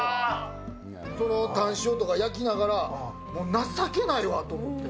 このタン塩とか焼きながら、もう、情けないわと思って。